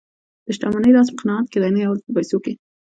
د شتمنۍ راز په قناعت کې دی، نه یوازې په پیسو کې.